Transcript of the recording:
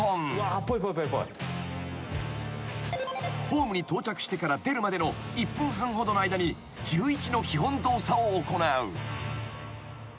［ホームに到着してから出るまでの１分半ほどの間に１１の基本動作を行う］